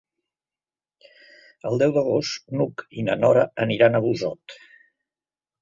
El deu d'agost n'Hug i na Nora aniran a Busot.